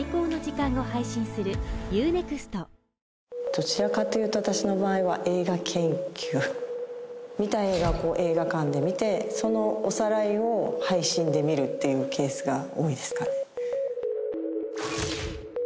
どちらかというと私の場合は映画研究見たい映画をこう映画館で見てそのおさらいを配信で見るっていうケースが多いですかね